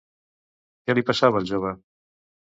Què li passava al jove?